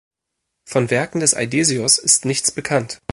Von Werken des Aidesios ist nichts bekannt.